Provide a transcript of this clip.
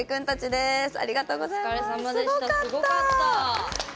すごかった！